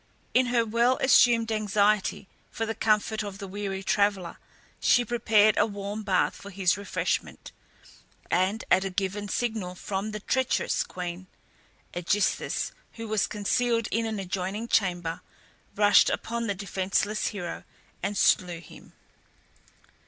In her well assumed anxiety for the comfort of the weary traveller, she prepared a warm bath for his refreshment, and at a given signal from the treacherous queen, AEgisthus, who was concealed in an adjoining chamber, rushed upon the defenceless hero and slew him.